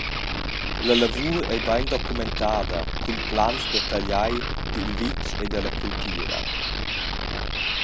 La lavur ei bein documentada cun plans detagliai dil vitg e dalla cultira.